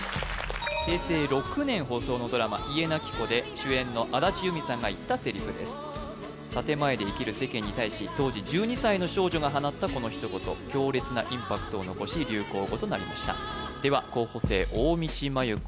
平成６年放送のドラマ「家なき子」で主演の安達祐実さんが言ったセリフです建前で生きる世間に対し当時１２歳の少女が放ったこの一言強烈なインパクトを残し流行語となりましたでは候補生大道麻優子